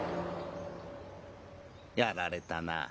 やられたなぁ。